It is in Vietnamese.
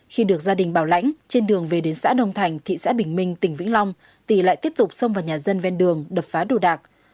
khi được gia đình bảo lãnh trên đường về đến xã đông thành thị xã bình minh tỉnh vĩnh long tì lại tiếp tục xông vào nhà dân ven đường đập phá đồ đạc